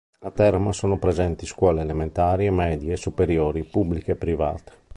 A Teramo sono presenti scuole elementari, medie e superiori, pubbliche e private.